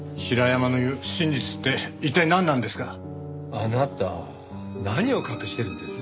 あなた何を隠してるんです？